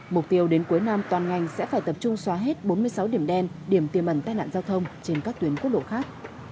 mục tiêu đến cuối năm toàn ngành sẽ phải tập trung xóa hết bốn mươi sáu điểm đen điểm tiềm ẩn tai nạn giao thông trên các tuyến quốc lộ khác